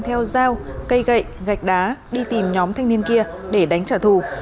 trường đi theo dao cây gậy gạch đá đi tìm nhóm thanh niên kia để đánh trả thù